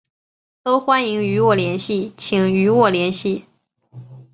都欢迎与我联系请与我联系